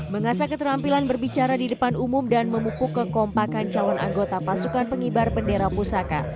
mengasah keterampilan berbicara di depan umum dan memupuk kekompakan calon anggota pasukan pengibar bendera pusaka